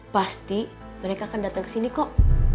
pasti mereka akan dateng kesini kok